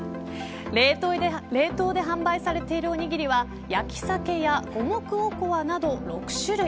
冷凍で販売されているおにぎりは焼きさけや五目おこわなど６種類。